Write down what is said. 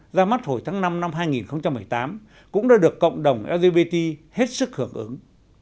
ra mắt hồi tháng năm năm hai nghìn một mươi tám cũng đã được cộng đồng lgbt hết sức hưởng ứng